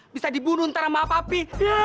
bisa dibunuh ntar sama papi